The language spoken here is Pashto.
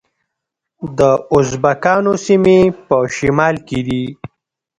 د ازبکانو سیمې په شمال کې دي